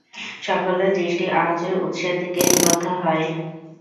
সকলের দৃষ্টি আওয়াজের উৎসের দিকে নিবদ্ধ হয়।